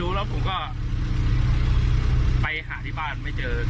และกำลังจะขับกลับบ้านที่นครปฐม